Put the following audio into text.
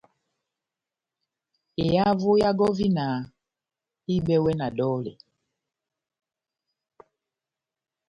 Ehavo ya gɔvina ehibɛwɛ na dɔlɛ.